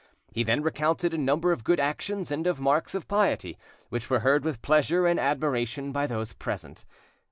He then recounted a number of good actions and of marks of piety, which were heard with pleasure and admiration by those present.